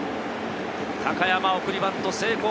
高山、送りバント成功！